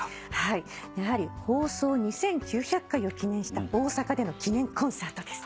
やはり放送２，９００回を記念した大阪での記念コンサートです。